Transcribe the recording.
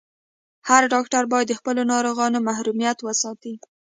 هر ډاکټر باید د خپلو ناروغانو محرميت وساتي.